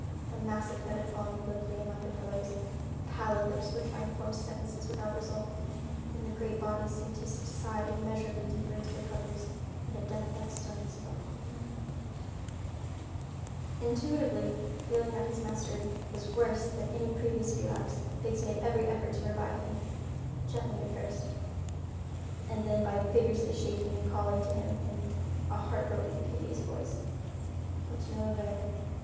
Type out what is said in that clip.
The massive head had fallen limply among the pillows. Pallid lips were trying to form sentences without result. Then the great body seemed to subside immeasurably deeper into the covers and a death like stillness fell upon the room. Intuitively feeling that his master was worse than at any previous relapse, Biggs made every effort to revive him, gently at first, and then by vigorously shaking and calling to him in a heart broken, piteous voice. But to no avail.